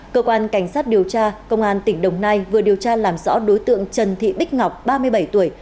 cơ quan cảnh sát điều tra công an tỉnh đồng nai vừa điều tra làm rõ đối tượng trần thị bích ngọc ba mươi bảy tuổi